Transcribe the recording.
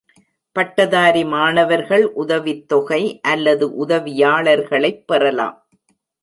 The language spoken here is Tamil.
பட்டதாரி மாணவர்கள் உதவித்தொகை அல்லது உதவியாளர்களைப் பெறலாம்.